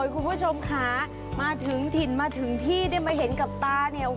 คุณผู้ชมค่ะมาถึงถิ่นมาถึงที่ได้มาเห็นกับตาเนี่ย